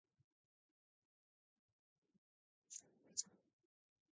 It is near the borders with Counties Kildare, Meath and Westmeath.